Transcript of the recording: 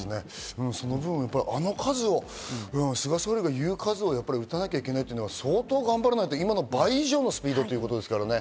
あの数を菅総理が言う数を打たないといけないというのは、相当頑張らないと今の倍以上のスピードということですからね。